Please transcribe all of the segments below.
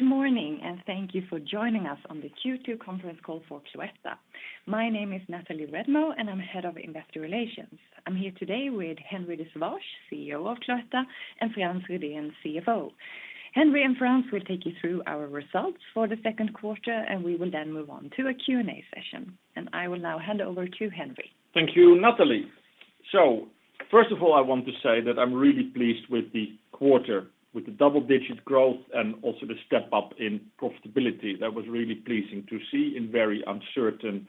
Good morning, and thank you for joining us on the Q2 conference call for Cloetta. My name is Nathalie Redmo, and I'm Head of Investor Relations. I'm here today with Henri de Sauvage-Nolting, CEO of Cloetta, and Frans Rydén, CFO. Henri and Frans will take you through our results for the second quarter, and we will then move on to a Q&A session. I will now hand over to Henri. Thank you, Nathalie. First of all, I want to say that I'm really pleased with the quarter, with the double-digit growth and also the step up in profitability. That was really pleasing to see in very uncertain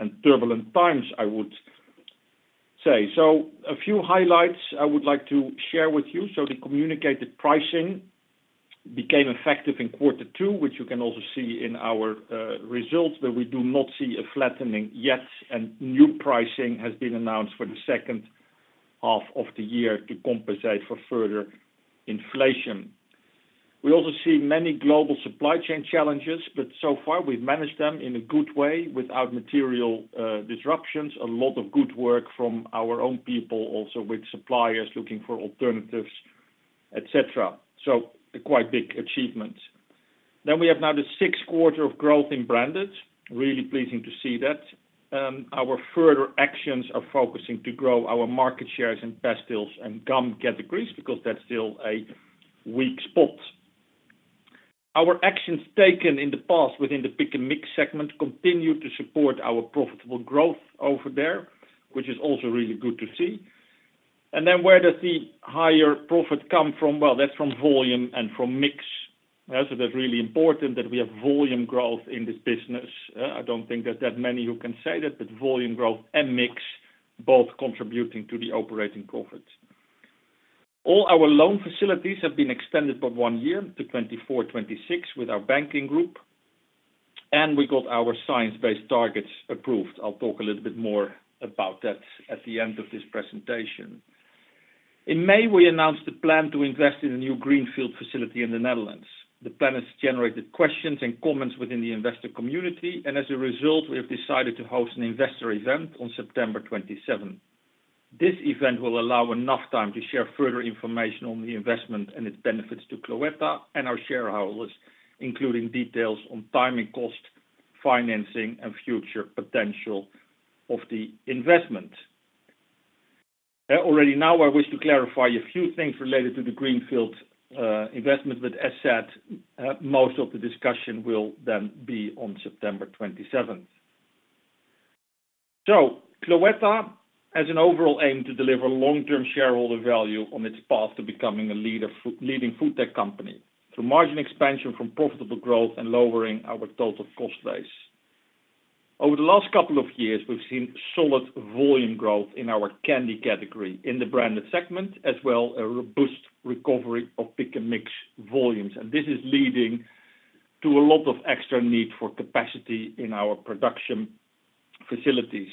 and turbulent times, I would say. A few highlights I would like to share with you. The communicated pricing became effective in quarter two, which you can also see in our results, that we do not see a flattening yet, and new pricing has been announced for the second half of the year to compensate for further inflation. We also see many global supply chain challenges, but so far, we've managed them in a good way without material disruptions. A lot of good work from our own people also with suppliers looking for alternatives, et cetera, so a quite big achievement. We have now the sixth quarter of growth in branded. Really pleasing to see that. Our further actions are focusing to grow our market shares in pastilles and gum categories because that's still a weak spot. Our actions taken in the past within the pick and mix segment continue to support our profitable growth over there, which is also really good to see. Where does the higher profit come from? Well, that's from volume and from mix. That's really important that we have volume growth in this business. I don't think there's that many who can say that, but volume growth and mix both contributing to the operating profit. All our loan facilities have been extended for one year to 2024, 2026 with our banking group, and we got our science-based targets approved. I'll talk a little bit more about that at the end of this presentation. In May, we announced the plan to invest in a new greenfield facility in the Netherlands. The plan has generated questions and comments within the investor community, and as a result, we have decided to host an investor event on September 27th. This event will allow enough time to share further information on the investment and its benefits to Cloetta and our shareholders, including details on timing, cost, financing, and future potential of the investment. Already now I wish to clarify a few things related to the greenfield investment, but as said, most of the discussion will then be on September 27th. Cloetta has an overall aim to deliver long-term shareholder value on its path to becoming a leading food tech company through margin expansion from profitable growth and lowering our total cost base. Over the last couple of years, we've seen solid volume growth in our candy category in the branded segment, as well as a robust recovery of pick and mix volumes, and this is leading to a lot of extra need for capacity in our production facilities.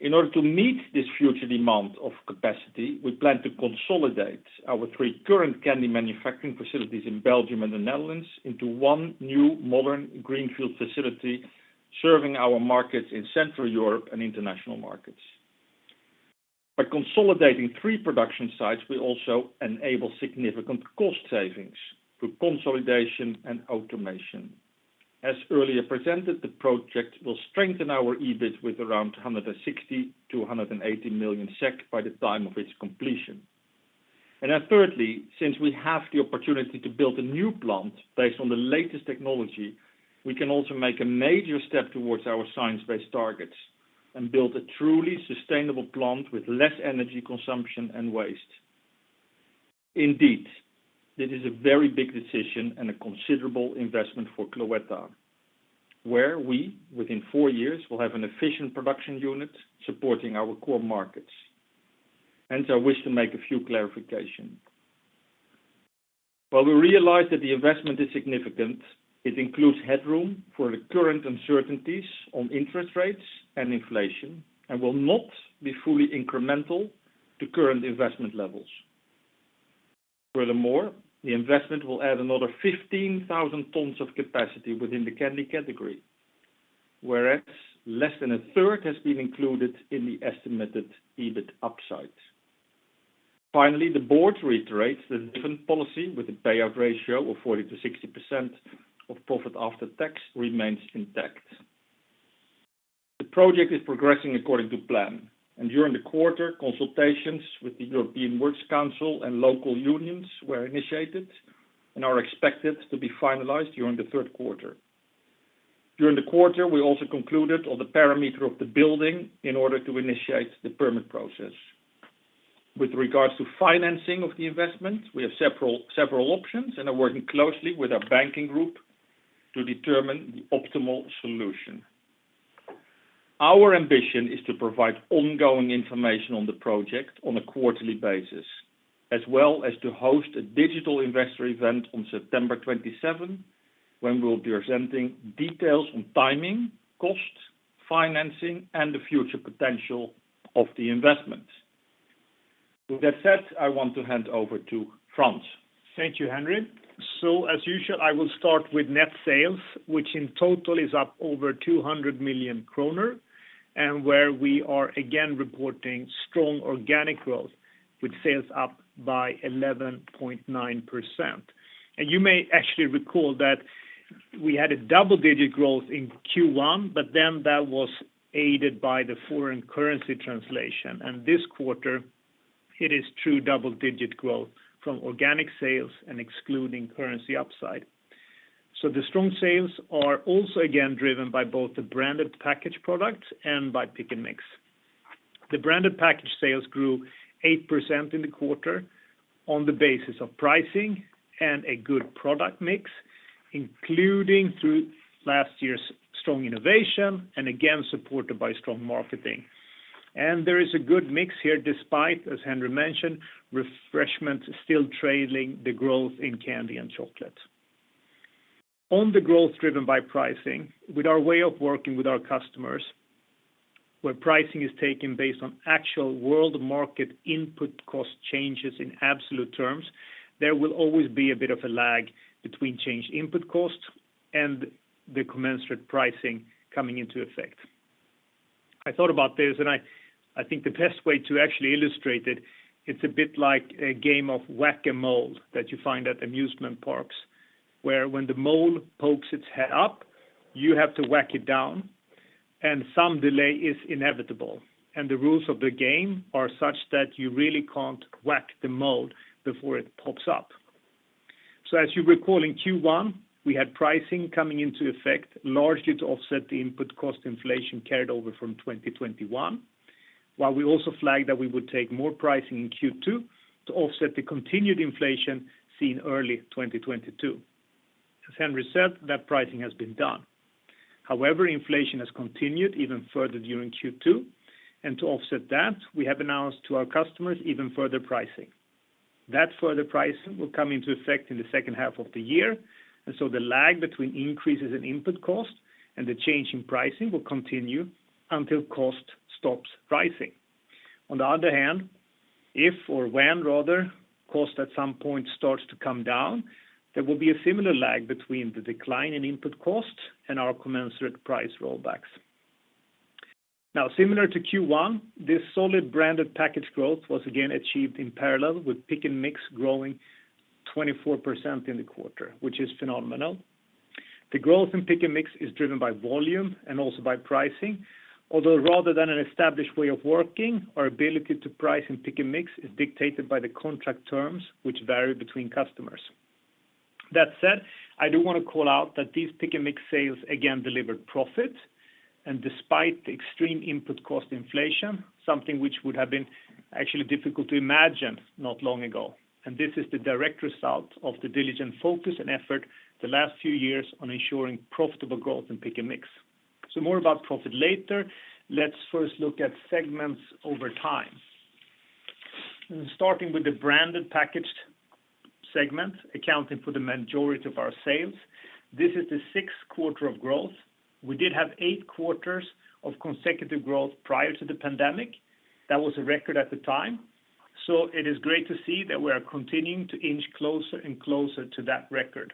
In order to meet this future demand for capacity, we plan to consolidate our three current candy manufacturing facilities in Belgium and the Netherlands into one new modern greenfield facility serving our markets in Central Europe and international markets. By consolidating three production sites, we also enable significant cost savings through consolidation and automation. As earlier presented, the project will strengthen our EBIT with around 160 million-180 million SEK by the time of its completion. Thirdly, since we have the opportunity to build a new plant based on the latest technology, we can also make a major step towards our Science Based Targets and build a truly sustainable plant with less energy consumption and waste. Indeed, this is a very big decision and a considerable investment for Cloetta, where we, within four years, will have an efficient production unit supporting our core markets. Hence, I wish to make a few clarifications. While we realize that the investment is significant, it includes headroom for the current uncertainties on interest rates and inflation and will not be fully incremental to current investment levels. Furthermore, the investment will add another 15,000 tons of capacity within the candy category, whereas less than a third has been included in the estimated EBIT upside. Finally, the board reiterates the dividend policy with a payout ratio of 40%-60% of profit after tax remains intact. The project is progressing according to plan, and during the quarter, consultations with the European Works Council and local unions were initiated and are expected to be finalized during the third quarter. During the quarter, we also concluded on the parameter of the building in order to initiate the permit process. With regards to financing of the investment, we have several options and are working closely with our banking group to determine the optimal solution. Our ambition is to provide ongoing information on the project on a quarterly basis, as well as to host a digital investor event on September twenty-seventh, when we'll be presenting details on timing, cost, financing, and the future potential of the investment. With that said, I want to hand over to Frans Rydén. Thank you, Henri. As usual, I will start with net sales, which in total is up over 200 million kronor and where we are again reporting strong organic growth. With sales up by 11.9%. You may actually recall that we had a double-digit growth in Q1, but then that was aided by the foreign currency translation. This quarter it is true double-digit growth from organic sales and excluding currency upside. The strong sales are also again driven by both the branded package products and by pick and mix. The branded package sales grew 8% in the quarter on the basis of pricing and a good product mix, including through last year's strong innovation and again supported by strong marketing. There is a good mix here despite, as Henri mentioned, refreshment still trailing the growth in candy and chocolate. On the growth driven by pricing, with our way of working with our customers, where pricing is taken based on actual world market input cost changes in absolute terms, there will always be a bit of a lag between change input costs and the commensurate pricing coming into effect. I thought about this, and I think the best way to actually illustrate it's a bit like a game of whack-a-mole that you find at amusement parks, where when the mole pokes its head up, you have to whack it down, and some delay is inevitable. The rules of the game are such that you really can't whack the mole before it pops up. As you recall in Q1, we had pricing coming into effect largely to offset the input cost inflation carried over from 2021, while we also flagged that we would take more pricing in Q2 to offset the continued inflation seen early 2022. As Henri said, that pricing has been done. However, inflation has continued even further during Q2, and to offset that, we have announced to our customers even further pricing. That further pricing will come into effect in the second half of the year, and so the lag between increases in input cost and the change in pricing will continue until cost stops rising. On the other hand, if or when rather, cost at some point starts to come down, there will be a similar lag between the decline in input cost and our commensurate price rollbacks. Now, similar to Q1, this solid branded package growth was again achieved in parallel with pick and mix growing 24% in the quarter, which is phenomenal. The growth in pick and mix is driven by volume and also by pricing. Although rather than an established way of working, our ability to price in pick and mix is dictated by the contract terms which vary between customers. That said, I do wanna call out that these pick and mix sales again delivered profit and despite the extreme input cost inflation, something which would have been actually difficult to imagine not long ago. This is the direct result of the diligent focus and effort the last few years on ensuring profitable growth in pick and mix. More about profit later. Let's first look at segments over time. Starting with the branded packaged segment, accounting for the majority of our sales. This is the 6th quarter of growth. We did have 8 quarters of consecutive growth prior to the pandemic. That was a record at the time. It is great to see that we are continuing to inch closer and closer to that record.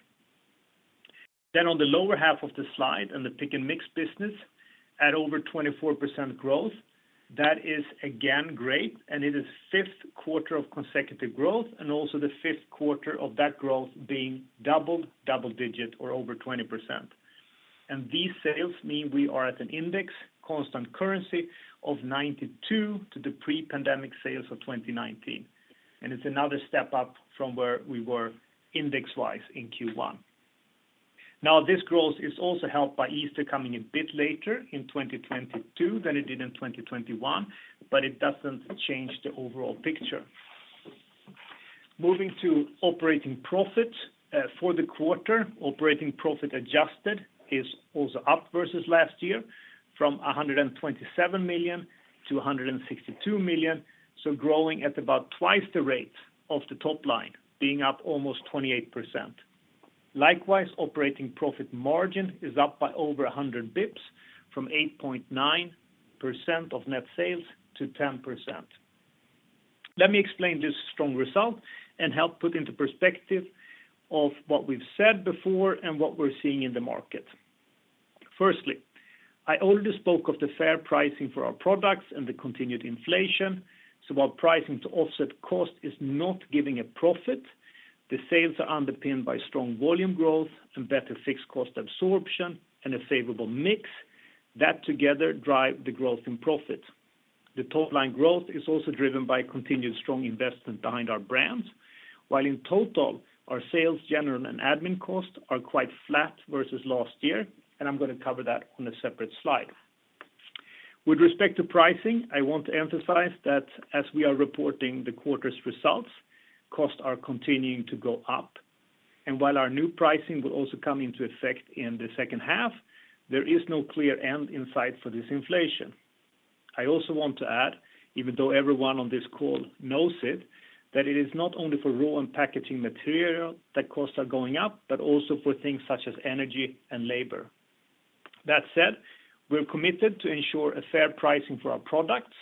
On the lower half of the slide, on the pick and mix business at over 24% growth, that is again great, and it is 5th quarter of consecutive growth and also the 5th quarter of that growth being double-digit or over 20%. These sales mean we are at an index constant currency of 92 to the pre-pandemic sales of 2019. It's another step up from where we were index-wise in Q1. This growth is also helped by Easter coming a bit later in 2022 than it did in 2021, but it doesn't change the overall picture. Moving to operating profit. For the quarter, operating profit adjusted is also up versus last year from 127 million to 162 million, so growing at about twice the rate of the top line being up almost 28%. Likewise, operating profit margin is up by over 100 bps from 8.9% of net sales to 10%. Let me explain this strong result and help put into perspective of what we've said before and what we're seeing in the market. Firstly, I already spoke of the fair pricing for our products and the continued inflation. While pricing to offset cost is not giving a profit, the sales are underpinned by strong volume growth and better fixed cost absorption and a favorable mix that together drive the growth in profit. The top line growth is also driven by continued strong investment behind our brands, while in total, our sales general and admin costs are quite flat versus last year, and I'm gonna cover that on a separate slide. With respect to pricing, I want to emphasize that as we are reporting the quarter's results, costs are continuing to go up. While our new pricing will also come into effect in the second half, there is no clear end in sight for this inflation. I also want to add, even though everyone on this call knows it, that it is not only for raw and packaging material that costs are going up, but also for things such as energy and labor. That said, we're committed to ensure a fair pricing for our products.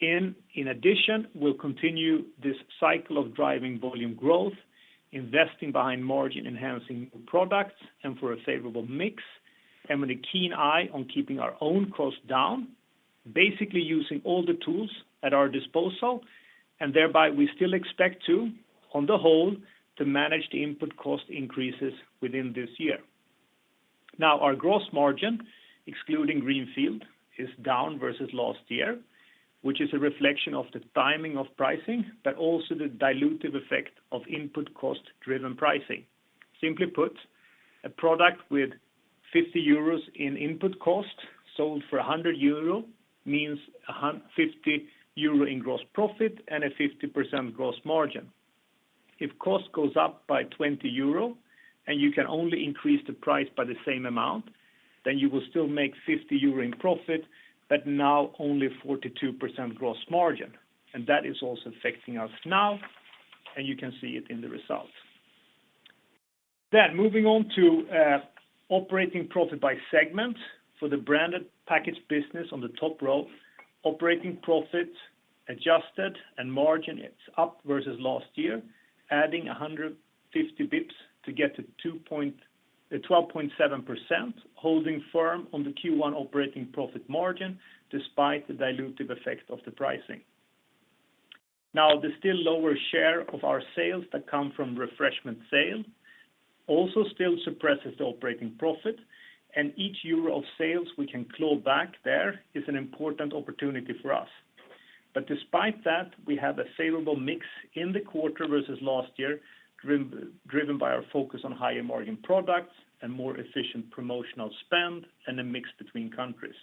In addition, we'll continue this cycle of driving volume growth, investing behind margin-enhancing products, and for a favorable mix. With a keen eye on keeping our own costs down, basically using all the tools at our disposal, and thereby we still expect to, on the whole, to manage the input cost increases within this year. Now our gross margin, excluding greenfield, is down versus last year, which is a reflection of the timing of pricing, but also the dilutive effect of input cost-driven pricing. Simply put, a product with 50 euros in input cost sold for 100 euro means 50 euro in gross profit and a 50% gross margin. If cost goes up by 20 euro and you can only increase the price by the same amount, then you will still make 50 euro in profit, but now only 42% gross margin. That is also affecting us now, and you can see it in the results. Moving on to operating profit by segment for the branded packaged business on the top row. Operating profit adjusted and margin, it's up versus last year, adding 150 basis points to get to 12.7%, holding firm on the Q1 operating profit margin despite the dilutive effect of the pricing. Now the still lower share of our sales that come from refreshment sales also still suppresses the operating profit, and each euro of sales we can claw back there is an important opportunity for us. Despite that, we have a favorable mix in the quarter versus last year, driven by our focus on higher margin products and more efficient promotional spend and a mix between countries.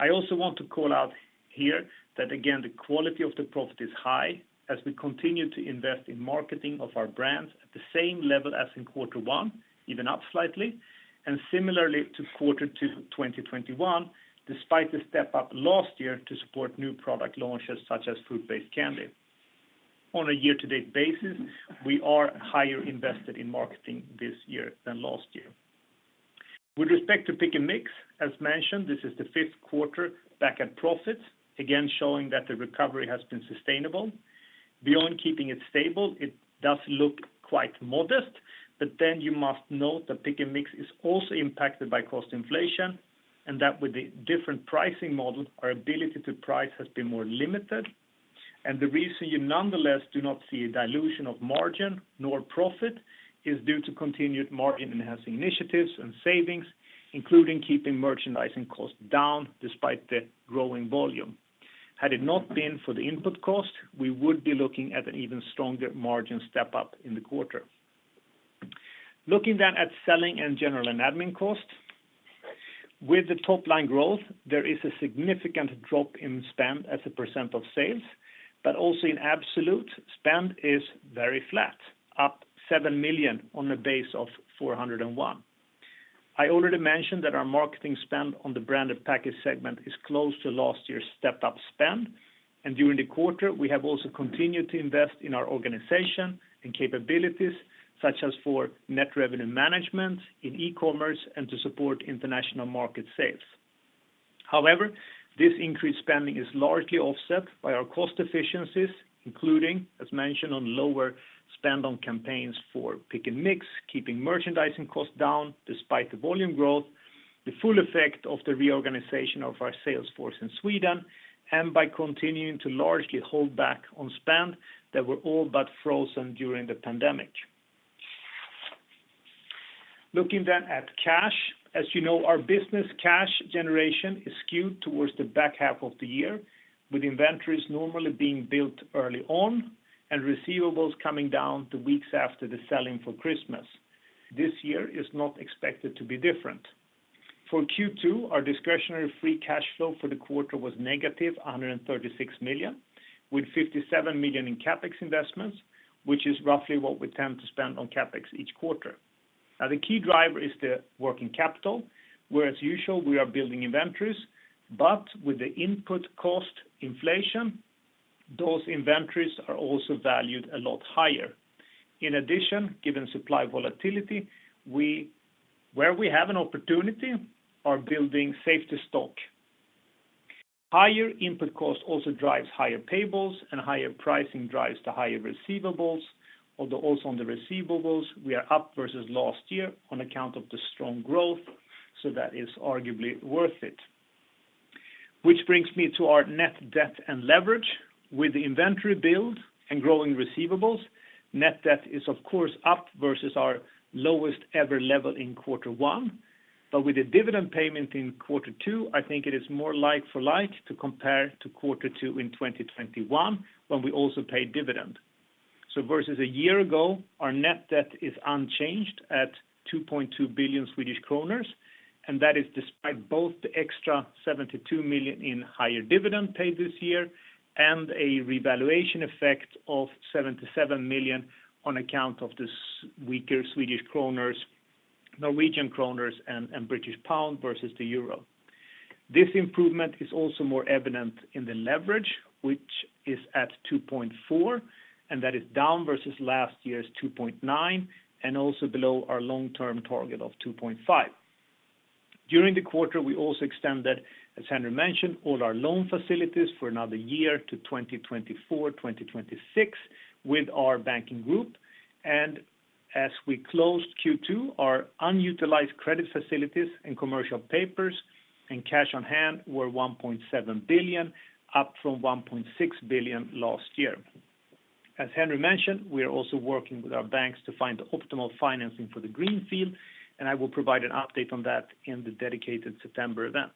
I also want to call out here that again the quality of the profit is high as we continue to invest in marketing of our brands at the same level as in quarter one, even up slightly, and similarly to quarter two 2021, despite the step up last year to support new product launches such as fruit-based candy. On a year-to-date basis, we are higher invested in marketing this year than last year. With respect to pick and mix, as mentioned, this is the fifth quarter back at profits, again showing that the recovery has been sustainable. Beyond keeping it stable, it does look quite modest, but you must note that pick and mix is also impacted by cost inflation, and that with the different pricing models, our ability to price has been more limited. The reason you nonetheless do not see a dilution of margin nor profit is due to continued margin-enhancing initiatives and savings, including keeping merchandising costs down despite the growing volume. Had it not been for the input cost, we would be looking at an even stronger margin step-up in the quarter. Looking at selling and general and admin costs. With the top-line growth, there is a significant drop in spend as a % of sales, but also in absolute spend is very flat, up 7 million on a base of 401 million. I already mentioned that our marketing spend on the branded packaged segment is close to last year's stepped up spend. During the quarter, we have also continued to invest in our organization and capabilities, such as for net revenue management in e-commerce and to support international market sales. However, this increased spending is largely offset by our cost efficiencies, including, as mentioned, on lower spend on campaigns for pick and mix, keeping merchandising costs down despite the volume growth, the full effect of the reorganization of our sales force in Sweden, and by continuing to largely hold back on spend that were all but frozen during the pandemic. Looking at cash. As you know, our business cash generation is skewed towards the back half of the year, with inventories normally being built early on and receivables coming down to weeks after the selling for Christmas. This year is not expected to be different. For Q2, our discretionary free cash flow for the quarter was negative 136 million, with 57 million in CapEx investments, which is roughly what we tend to spend on CapEx each quarter. Now the key driver is the working capital, where as usual, we are building inventories, but with the input cost inflation, those inventories are also valued a lot higher. In addition, given supply volatility, we, where we have an opportunity, are building safety stock. Higher input cost also drives higher payables and higher pricing drives the higher receivables, although also on the receivables, we are up versus last year on account of the strong growth, so that is arguably worth it. Which brings me to our net debt and leverage. With the inventory build and growing receivables, net debt is of course up versus our lowest ever level in quarter one. With the dividend payment in quarter two, I think it is more like-for-like to compare to quarter two in 2021 when we also paid dividend. Versus a year ago, our net debt is unchanged at 2.2 billion Swedish kronor, and that is despite both the extra 72 million in higher dividend paid this year and a revaluation effect of 77 million on account of the weaker Swedish kronor, Norwegian kronor and British pound versus the euro. This improvement is also more evident in the leverage, which is at 2.4, and that is down versus last year's 2.9 and also below our long-term target of 2.5. During the quarter, we also extended, as Henri mentioned, all our loan facilities for another year to 2024, 2026 with our banking group. As we closed Q2, our unutilized credit facilities in commercial papers and cash on hand were 1.7 billion, up from 1.6 billion last year. As Henri mentioned, we are also working with our banks to find the optimal financing for the Greenfield, and I will provide an update on that in the dedicated September event.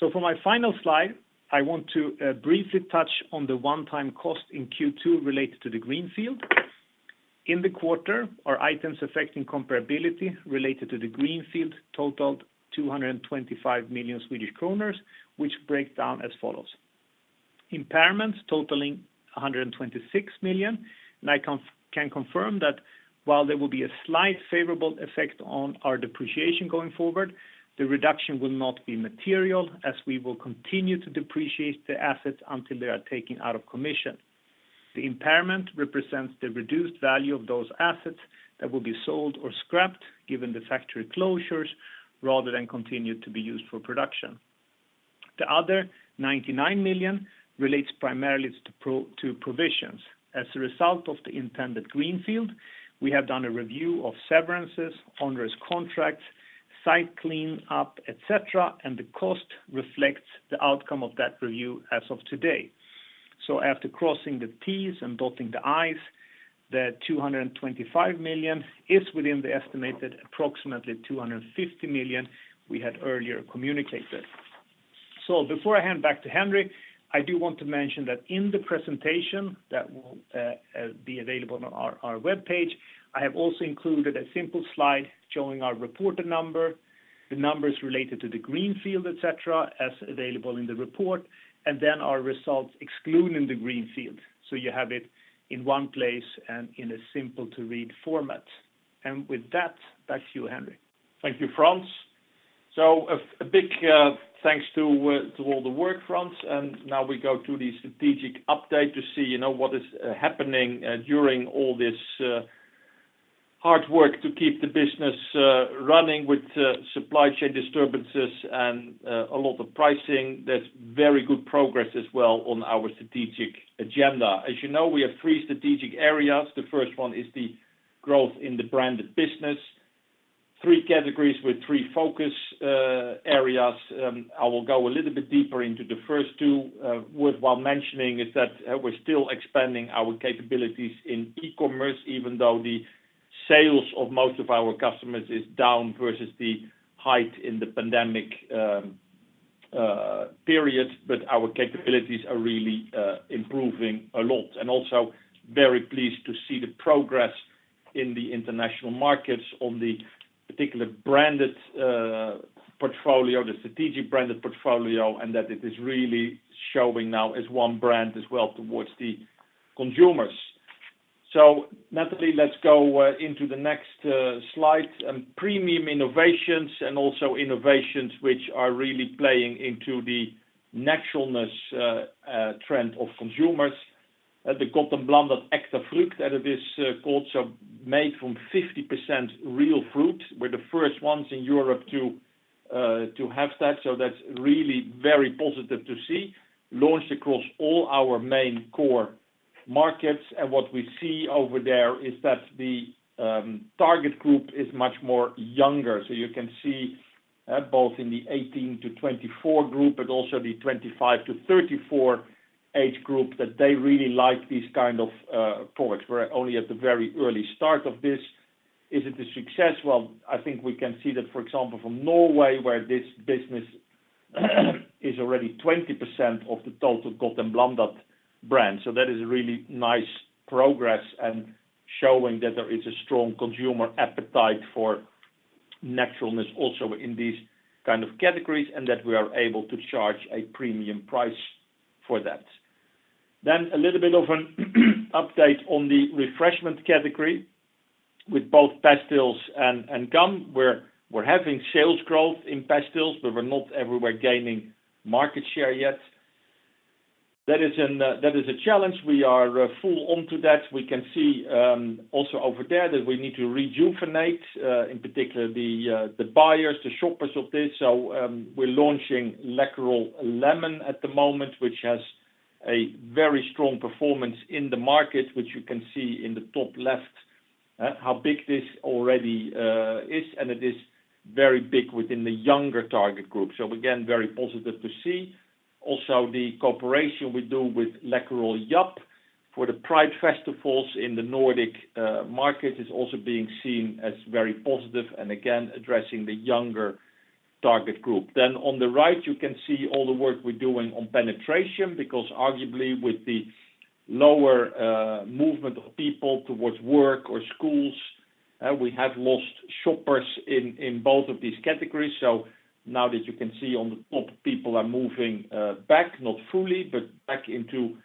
For my final slide, I want to briefly touch on the one-time cost in Q2 related to the Greenfield. In the quarter, our items affecting comparability related to the Greenfield totaled 225 million Swedish kronor, which break down as follows. Impairments totaling 126 million. I can confirm that while there will be a slight favorable effect on our depreciation going forward, the reduction will not be material, as we will continue to depreciate the assets until they are taken out of commission. The impairment represents the reduced value of those assets that will be sold or scrapped given the factory closures, rather than continue to be used for production. The other 99 million relates primarily to proto provisions. As a result of the intended greenfield, we have done a review of severances, onerous contracts, site cleanup, et cetera, and the cost reflects the outcome of that review as of today. After crossing the T's and dotting the I's, the 225 million is within the estimated approximately 250 million we had earlier communicated. Before I hand back to Henri, I do want to mention that in the presentation that will be available on our webpage, I have also included a simple slide showing our reported number, the numbers related to the greenfield, et cetera, as available in the report, and then our results excluding the greenfield. You have it in one place and in a simple-to-read format. With that, back to you, Henri. Thank you, Frans. A big thanks to all the work, Frans. Now we go to the strategic update to see, you know, what is happening during all this hard work to keep the business running with supply chain disturbances and a lot of pricing. There's very good progress as well on our strategic agenda. As you know, we have three strategic areas. The first one is the growth in the branded business. Three categories with three focus areas. I will go a little bit deeper into the first two. Worthwhile mentioning is that, we're still expanding our capabilities in e-commerce even though the sales of most of our customers is down versus the height of the pandemic period. Our capabilities are really improving a lot. Also very pleased to see the progress in the international markets on the particular branded portfolio, the strategic branded portfolio, and that it is really showing now as one brand as well towards the consumers. Nathalie, let's go into the next slide. Premium innovations and also innovations which are really playing into the naturalness trend of consumers. The Gott & Blandat Äkta Fruktgodis that is also made from 50% real fruit. We're the first ones in Europe to have that. That's really very positive to see. Launched across all our main core markets. What we see over there is that the target group is much more younger. You can see both in the 18-24 group, but also the 25-34 age group, that they really like these kind of products. We're only at the very early start of this. Is it a success? Well, I think we can see that, for example, from Norway, where this business is already 20% of the total Gott & Blandat brand. That is a really nice progress and showing that there is a strong consumer appetite for naturalness also in these kind of categories, and that we are able to charge a premium price for that. A little bit of an update on the refreshment category with both pastilles and gum. We're having sales growth in pastilles, but we're not everywhere gaining market share yet. That is a challenge. We are full onto that. We can see also over there that we need to rejuvenate in particular the buyers, the shoppers of this. We're launching Läkerol Lemon at the moment, which has a very strong performance in the market, which you can see in the top left how big this already is, and it is very big within the younger target group. Again, very positive to see. Also the cooperation we do with Läkerol YUP for the Pride festivals in the Nordic market is also being seen as very positive and again addressing the younger target group. On the right, you can see all the work we're doing on penetration because arguably with the lower movement of people towards work or schools we have lost shoppers in both of these categories. Now that you can see on the top, people are moving back, not fully, but back into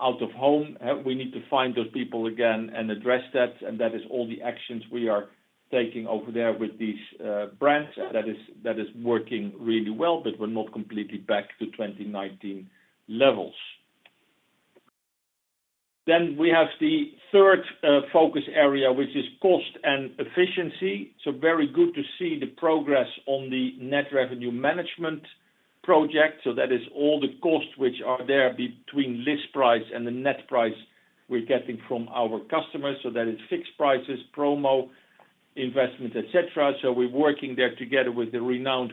out of home. We need to find those people again and address that, and that is all the actions we are taking over there with these brands. That is working really well, but we're not completely back to 2019 levels. We have the third focus area, which is cost and efficiency. Very good to see the progress on the net revenue management project. That is all the costs which are there between list price and the net price we're getting from our customers. That is fixed prices, promo, investment, et cetera. We're working there together with the renowned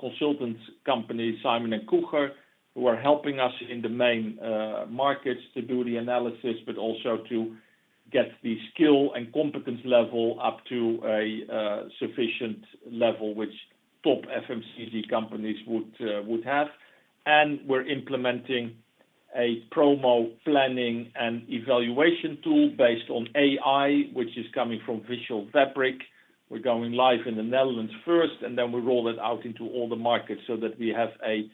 consulting company, Simon-Kucher, who are helping us in the main markets to do the analysis, but also to get the skill and competence level up to a sufficient level which top FMCG companies would have. We're implementing a promo planning and evaluation tool based on AI, which is coming from Visualfabriq. We're going live in the Netherlands first, and then we roll it out into all the markets so that we have a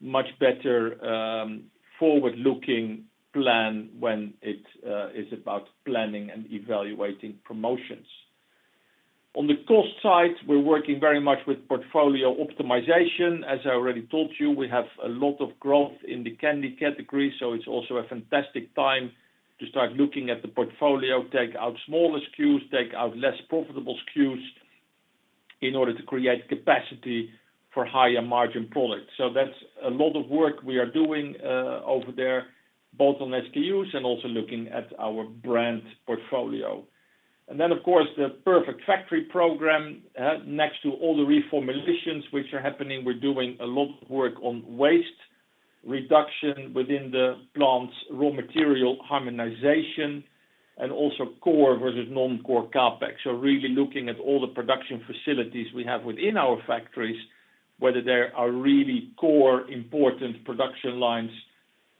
much better forward-looking plan when it is about planning and evaluating promotions. On the cost side, we're working very much with portfolio optimization. As I already told you, we have a lot of growth in the candy category, so it's also a fantastic time to start looking at the portfolio, take out smaller SKUs, take out less profitable SKUs in order to create capacity for higher margin products. That's a lot of work we are doing over there, both on SKUs and also looking at our brand portfolio. Of course, The Perfect Factory program. Next to all the reformulations which are happening, we're doing a lot of work on waste reduction within the plant's raw material harmonization, and also core versus non-core CapEx. Really looking at all the production facilities we have within our factories, whether they are really core important production lines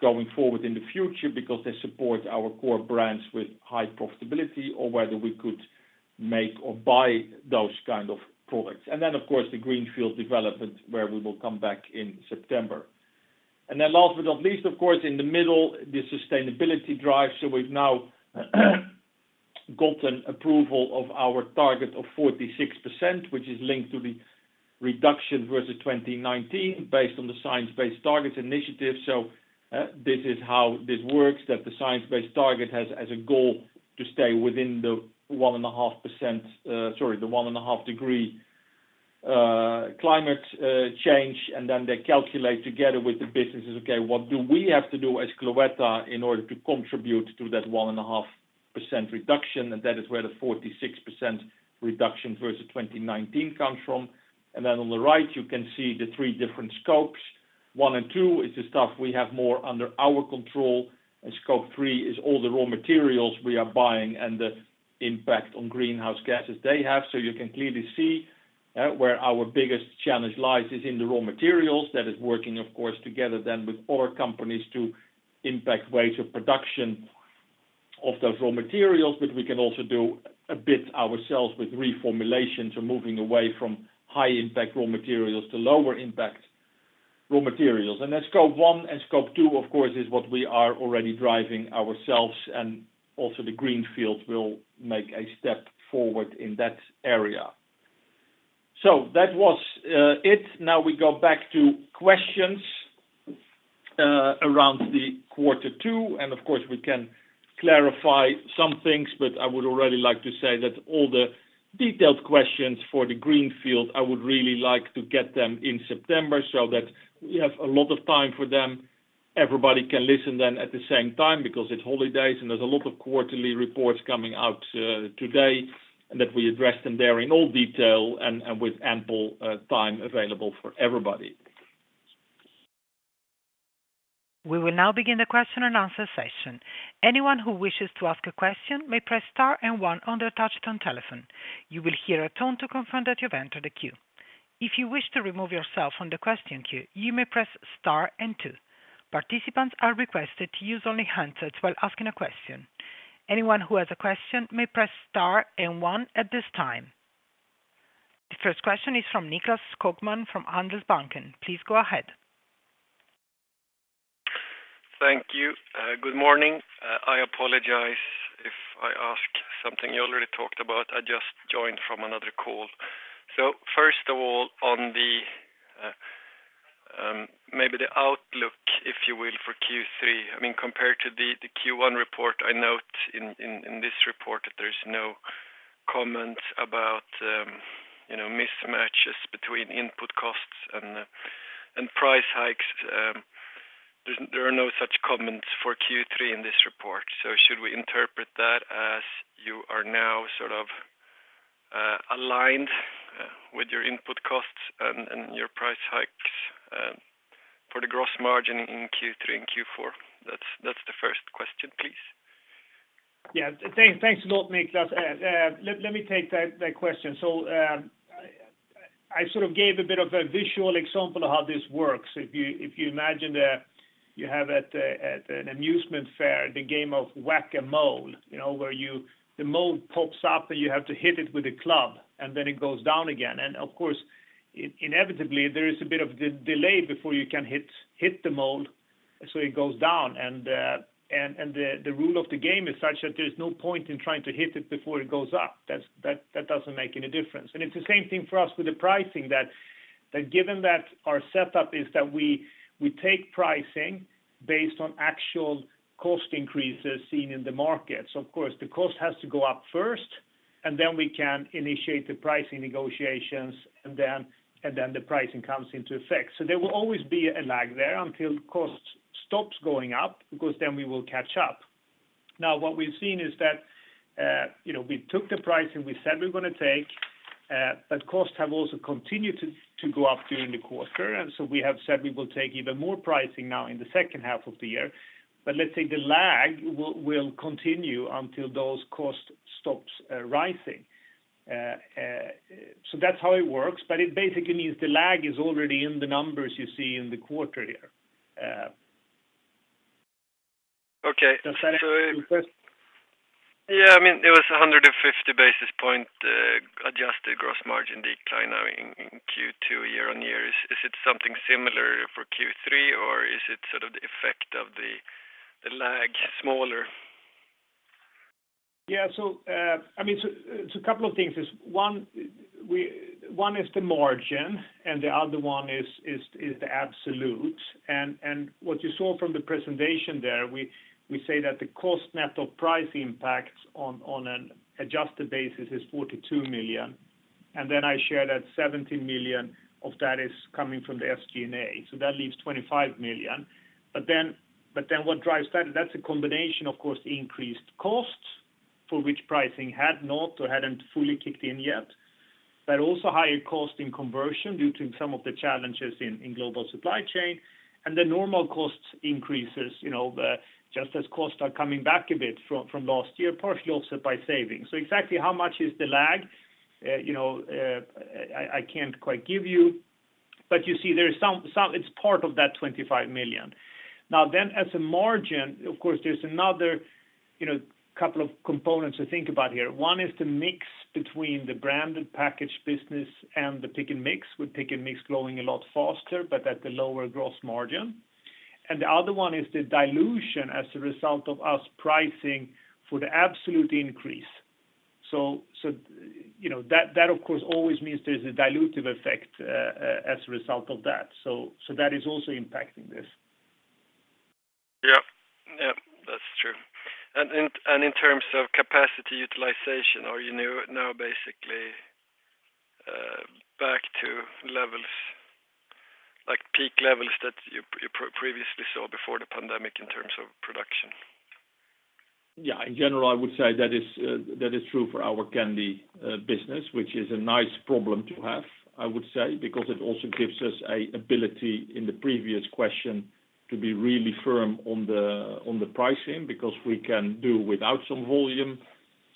going forward in the future because they support our core brands with high profitability or whether we could make or buy those kind of products. Of course, the greenfield development, where we will come back in September. Last but not least, of course, in the middle, the sustainability drive. We've now gotten approval of our target of 46%, which is linked to the reduction versus 2019 based on the Science Based Targets initiative. This is how this works, that the Science Based Targets has as a goal to stay within the 1.5-degree climate change, and then they calculate together with the businesses, okay, what do we have to do as Cloetta in order to contribute to that 1.5 percent reduction? That is where the 46% reduction versus 2019 comes from. On the right, you can see the three different scopes. one and two is the stuff we have more under our control, and Scope three is all the raw materials we are buying and the impact on greenhouse gases they have. You can clearly see where our biggest challenge lies is in the raw materials. That is working, of course, together then with other companies to impact ways of production of those raw materials. We can also do a bit ourselves with reformulation to moving away from high impact raw materials to lower impact raw materials. Scope one and stwo, of course, is what we are already driving ourselves, and also the greenfield will make a step forward in that area. That was it. Now we go back to questions around the quarter two, and of course we can clarify some things, but I would already like to say that all the detailed questions for the greenfield, I would really like to get them in September so that we have a lot of time for them. Everybody can listen then at the same time because it's holidays and there's a lot of quarterly reports coming out today, and that we address them there in all detail and with ample time available for everybody. We will now begin the question and answer session. Anyone who wishes to ask a question may press star and one on their touch-tone telephone. You will hear a tone to confirm that you've entered the queue. If you wish to remove yourself from the question queue, you may press star and two. Participants are requested to use only handsets while asking a question. Anyone who has a question may press star and one at this time. The first question is from Nicklas Skogman from Handelsbanken. Please go ahead. Thank you. Good morning. I apologize if I ask something you already talked about. I just joined from another call. First of all, on the maybe the outlook, if you will, for Q3, I mean, compared to the Q1 report, I note in this report that there's no comment about, you know, mismatches between input costs and price hikes. There are no such comments for Q3 in this report. Should we interpret that as you are now sort of aligned with your input costs and your price hikes for the gross margin in Q3 and Q4? That's the first question, please. Yeah. Thanks a lot, Nicklas. Let me take that question. I sort of gave a bit of a visual example of how this works. If you imagine you have at an amusement fair the game of Whack-A-Mole, you know, where the mole pops up, and you have to hit it with a club, and then it goes down again. Of course, inevitably, there is a bit of delay before you can hit the mole, so it goes down. The rule of the game is such that there's no point in trying to hit it before it goes up. That doesn't make any difference. It's the same thing for us with the pricing. But given that our setup is that we take pricing based on actual cost increases seen in the market. Of course, the cost has to go up first, and then we can initiate the pricing negotiations and then the pricing comes into effect. There will always be a lag there until cost stops going up because then we will catch up. Now, what we've seen is that, you know, we took the pricing we said we're gonna take, but costs have also continued to go up during the quarter. We have said we will take even more pricing now in the second half of the year. But let's say the lag will continue until those costs stop rising. That's how it works, but it basically means the lag is already in the numbers you see in the quarter here. Okay. Does that answer your question? Yeah. I mean, it was 150 basis point adjusted gross margin decline now in Q2 year-on-year. Is it something similar for Q3, or is it sort of the effect of the lag smaller? Yeah. I mean, it's a couple of things. There's one is the margin, and the other one is the absolute. What you saw from the presentation there, we say that the cost net of price impacts on an adjusted basis is 42 million. Then I share that 17 million of that is coming from the SG&A. That leaves 25 million. But then what drives that's a combination, of course, increased costs for which pricing had not or hadn't fully kicked in yet. But also higher cost in conversion due to some of the challenges in global supply chain, and the normal cost increases, you know, just as costs are coming back a bit from last year, partially also by savings. Exactly how much is the lag? You know, I can't quite give you, but you see there is some. It's part of that 25 million. Now then, as a margin, of course, there's another, you know, couple of components to think about here. One is the mix between the branded package business and the pick and mix, with pick and mix growing a lot faster but at the lower gross margin. The other one is the dilution as a result of us pricing for the absolute increase. You know, that of course always means there's a dilutive effect as a result of that. That is also impacting this. Yep. Yep, that's true. In terms of capacity utilization, are you now basically back to levels like peak levels that you previously saw before the pandemic in terms of production? Yeah. In general, I would say that is true for our candy business, which is a nice problem to have, I would say, because it also gives us an ability in the previous question to be really firm on the pricing because we can do without some volume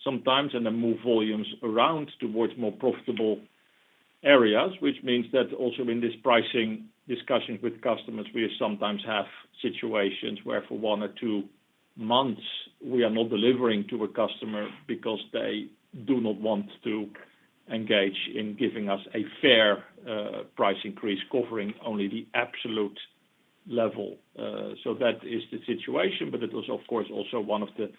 sometimes and then move volumes around towards more profitable areas, which means that also in this pricing discussions with customers, we sometimes have situations where for one or two months we are not delivering to a customer because they do not want to engage in giving us a fair price increase covering only the absolute level. So that is the situation, but it was of course also one of the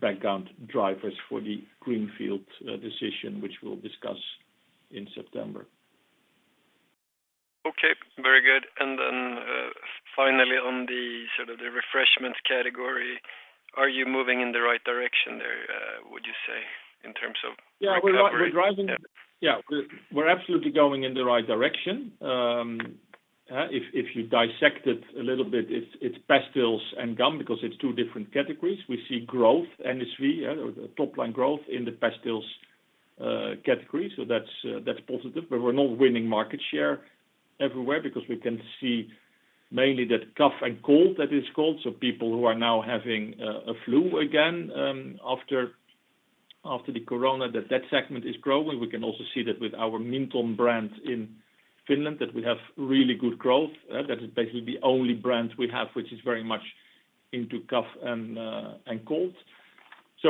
background drivers for the greenfield decision, which we'll discuss in September. Okay. Very good. Finally on sort of the refreshment category, are you moving in the right direction there, would you say in terms of recovery? Yeah, we're absolutely going in the right direction. If you dissect it a little bit, it's pastilles and gum because it's two different categories. We see growth, NSV, or top line growth in the pastilles category. That's positive. We're not winning market share everywhere because we can see mainly that cough and cold, that is cold. People who are now having a flu again after the Corona, that segment is growing. We can also see that with our Mynthon brand in Finland, that we have really good growth. That is basically the only brand we have, which is very much into cough and cold.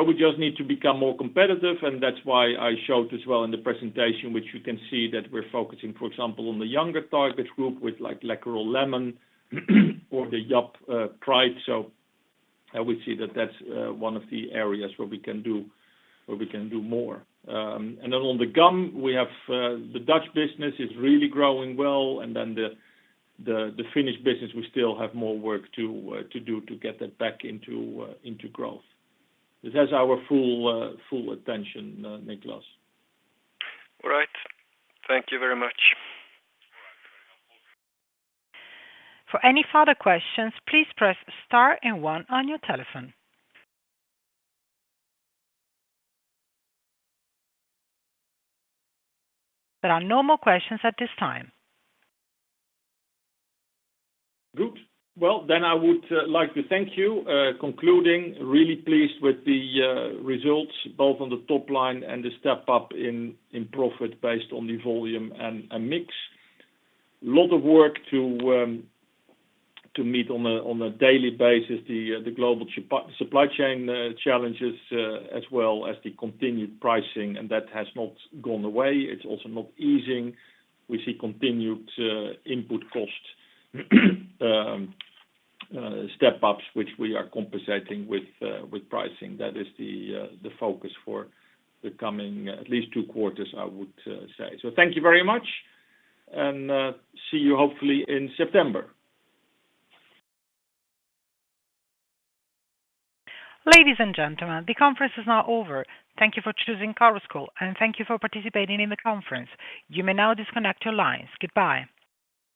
We just need to become more competitive, and that's why I showed as well in the presentation, which you can see that we're focusing, for example, on the younger target group with like Läkerol Lemon or the Japp Pride. We see that that's one of the areas where we can do more. On the gum, we have the Dutch business is really growing well, and then the Finnish business, we still have more work to do to get that back into growth. That's our full attention, Nicklas. All right. Thank you very much. For any further questions, please press star and one on your telephone. There are no more questions at this time. Good. Well, then I would like to thank you. Concluding, really pleased with the results both on the top line and the step up in profit based on the volume and mix. Lot of work to meet on a daily basis the global supply chain challenges, as well as the continued pricing, and that has not gone away. It's also not easing. We see continued input cost step-ups, which we are compensating with pricing. That is the focus for the coming at least two quarters, I would say. Thank you very much and see you hopefully in September. Ladies and gentlemen, the conference is now over. Thank you for choosing Chorus Call, and thank you for participating in the conference. You may now disconnect your lines. Goodbye.